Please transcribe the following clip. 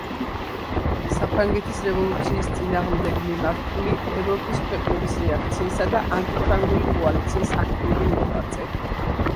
საფრანგეთის რევოლუციის წინააღმდეგ მიმართული ევროპის ქვეყნების რეაქციისა და ანტიფრანგული კოალიციის აქტიური მოღვაწე.